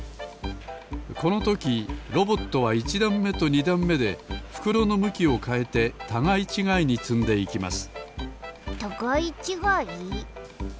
このときロボットは１だんめと２だんめでふくろのむきをかえてたがいちがいにつんでいきますたがいちがい？